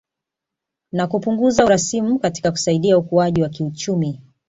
Na kupunguza urasimu katika kusaidia ukuaji wa kiuchumi